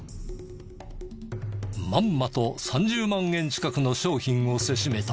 まんまと３０万円近くの商品をせしめた。